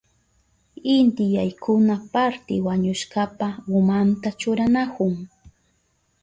Inti yaykuna parti wañushkapa umanta churanahun.